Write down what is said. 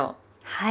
はい。